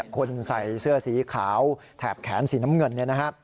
คนใส่เสื้อสีขาวแถบแขนสีน้ำเงิน